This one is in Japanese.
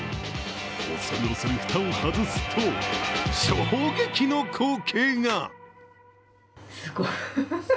恐る恐る蓋を外すと衝撃の光景が！